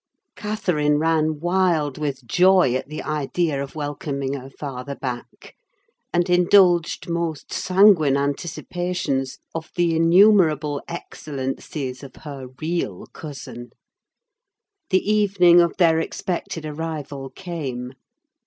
Catherine ran wild with joy at the idea of welcoming her father back; and indulged most sanguine anticipations of the innumerable excellencies of her "real" cousin. The evening of their expected arrival came.